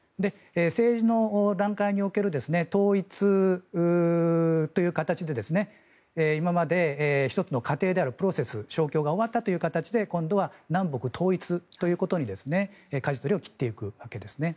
政治の段階における統一という形で今まで１つの過程であるプロセス勝共が終わったということで今度は南北統一ということにかじ取りを切っていくというわけですね。